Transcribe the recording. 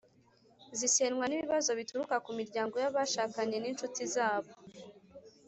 zisenywa n’ibibazo bituruka ku miryango y’abashakanye n’inshuti zabo.